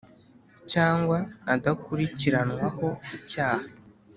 cyangwa adakurikiranwaho icyaha